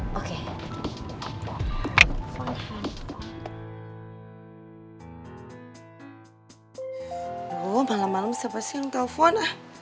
malem malem siapa sih yang telfon